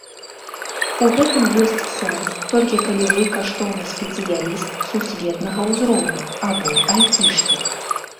У гэтым ёсць сэнс, толькі калі вы каштоўны спецыяліст сусветнага ўзроўню або айцішнік.